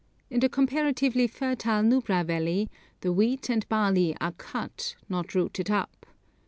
In the comparatively fertile Nubra valley the wheat and barley are cut, not rooted up.